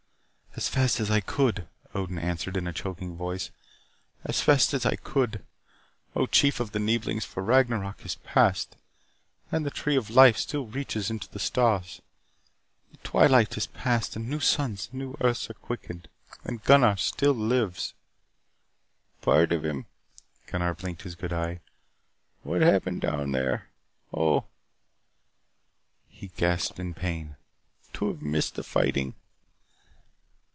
"As fast as I could," Odin answered in a choking voice. "As fast as I could, O Chief of the Neeblings. For Ragnarok is past, and the tree of life still reaches into the stars. The twilight is past and new suns and new earths are quickened. And Gunnar still lives." "Part of him." Gunnar blinked his good eye. "What happened down there? Oh," he gasped in pain, "to have missed the fighting!"